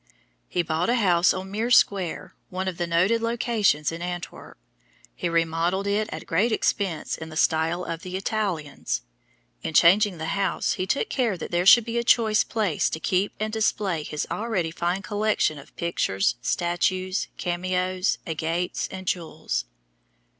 He bought a house on Meir Square, one of the noted locations in Antwerp. He re modelled it at great expense in the style of the Italians. In changing the house he took care that there should be a choice place to keep and display his already fine collection of pictures, statues, cameos, agates and jewels.